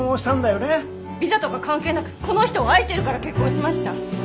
ビザとか関係なくこの人を愛してるから結婚しました。